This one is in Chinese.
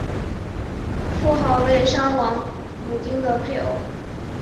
妇好为商王武丁的配偶。